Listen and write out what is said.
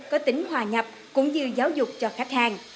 có tính hòa nhập cũng như giáo dục cho khách hàng